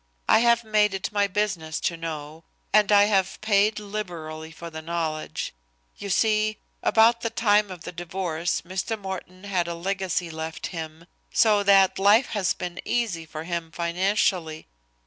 "I have made it my business to know, and I have paid liberally for the knowledge. You see, about the time of the divorce Mr. Morten had a legacy left him, so that life has been easy for him financially.